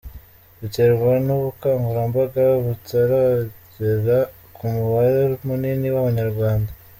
Biterwa n’ubukangurambaga butaragera ku mubare munini w’Abanyarwanda.